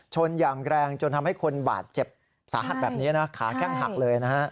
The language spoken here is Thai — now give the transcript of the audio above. ชนอย่างแรงจนทำให้คนบาดเจ็บสาหัสแบบนี้นะขาแข้งหักเลยนะฮะ